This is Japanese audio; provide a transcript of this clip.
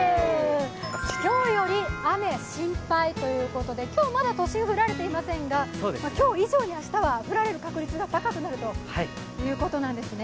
今日より雨心配ということで、今日まだ都心、降られていませんが今日以上に明日は降られる確率が高くなるということなんですね。